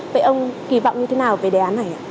vậy ông kỳ vọng như thế nào về đề án này ạ